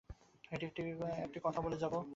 একটি কথা বলে যাব।